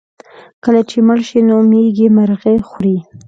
کله چې مړه شي نو مېږي مرغۍ خوري.